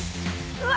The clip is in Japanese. うわ！